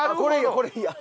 これいいやん。